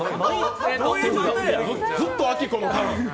ずっと亜希子のターン。